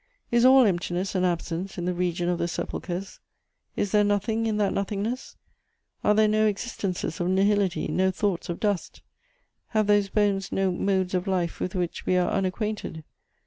Is all emptiness and absence in the region of the sepulchres? Is there nothing in that nothingness? Are there no existences of nihility, no thoughts of dust? Have those bones no modes of life with which we are unacquainted?